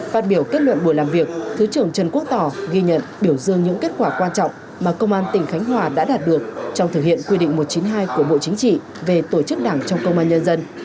phát biểu kết luận buổi làm việc thứ trưởng trần quốc tỏ ghi nhận biểu dương những kết quả quan trọng mà công an tỉnh khánh hòa đã đạt được trong thực hiện quy định một trăm chín mươi hai của bộ chính trị về tổ chức đảng trong công an nhân dân